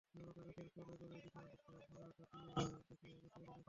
ঝরা পাতা গাছের তলায় সাজায় বিছানা, দুঃখ ভারে তাকিয়ে দেখে রাতের জোছনা।